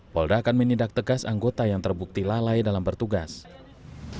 polda akan menindak tegas anggota yang terbukti lalai dalam bertugas